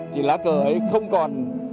thì lá cờ ấy không còn